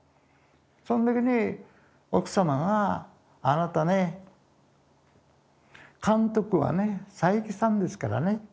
その時に奥様が「あなたね監督はね佐伯さんですからね。